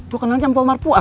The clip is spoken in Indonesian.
gue kenalnya empa omar puat